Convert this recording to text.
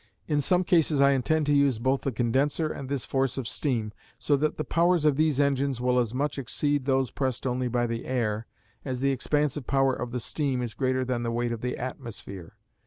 In some cases I intend to use both the condenser and this force of steam, so that the powers of these engines will as much exceed those pressed only by the air, as the expansive power of the steam is greater than the weight of the atmosphere.